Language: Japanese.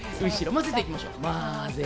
混ぜていきましょう。